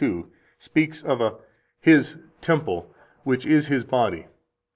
2, speaks of a [His] temple which is His body.